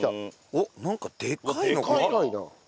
おっなんかでかいのか？